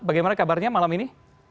bagaimana kabarnya malam ini